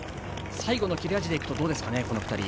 最後の切れ味でいくとどうですかね。